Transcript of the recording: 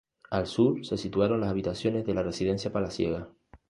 Al sur se situaron las habitaciones de la residencia palaciega.